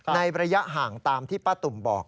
ในระยะห่างตามที่ป้าตุ่มบอก